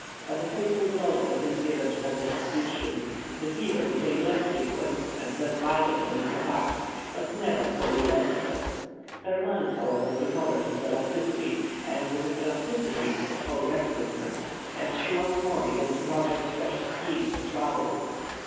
But a fatal blow had been given to her constitution; the fever became less frequent and less violent in its attacks, but never wholly left her. Her mind, however, recovered its elasticity, and with its elasticity, its old restlessness; and she once more began to project fresh schemes of travel.